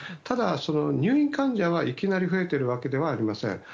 ただ、入院患者はいきなり増えているわけではありません。